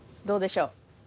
どうでしょう。